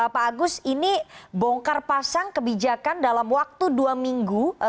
pak agus ini bongkar pasang kebijakan dalam waktu dua minggu